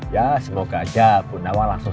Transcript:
ya semoga aja bu nawa langsung